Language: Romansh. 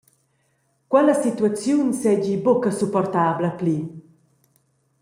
Quella situaziun seigi buca supportabla pli.